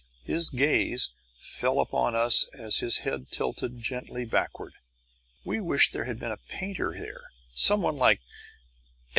His gaze fell upon us as his head tilted gently backward. We wish there had been a painter there someone like F.